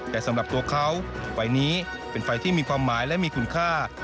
แต่สำหรับตัวเขาไฟล์นี้เป็นไฟที่มีความหมายและมีคุณค่า